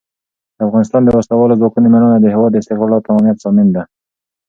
د افغانستان د وسلوالو ځواکونو مېړانه د هېواد د استقلال او تمامیت ضامن ده.